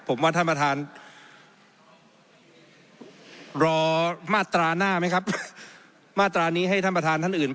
ผมว่าท่านประธานรอมาตราหน้าไหมครับมาตรานี้ให้ท่านประธานท่านอื่น